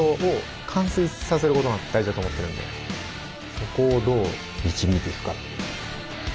そこをどう導いていくか。